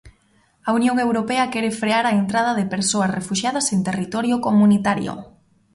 A Unión Europea quere frear a entrada de persoas refuxiadas en territorio comunitario.